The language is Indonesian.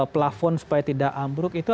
plafon supaya tidak ambruk itu